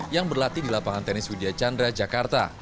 yang berlatih di lapangan tenis widya chandra jakarta